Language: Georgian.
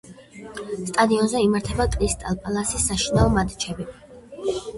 სტადიონზე იმართება კრისტალ პალასის საშინაო მატჩები.